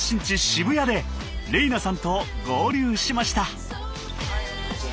渋谷で玲那さんと合流しました。